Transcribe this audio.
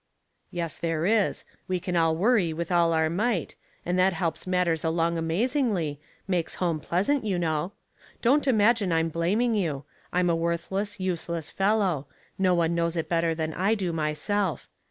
'* Yes, there is ; we can all worry with all our might, and that helps matters along amazingly, makes home pleasant, you know. Don't imagine I'm blaming you. I'm a worthless, useless fel low ; no one knows it better than I do mj^self.